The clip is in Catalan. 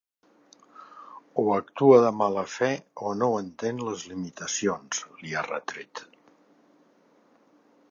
O actua de mala fe o no entén les limitacions, li ha retret.